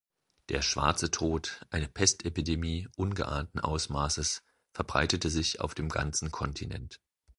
Der Schwarze Tod, eine Pestepidemie ungeahnten Ausmaßes, verbreitete sich auf dem ganzen Kontinent.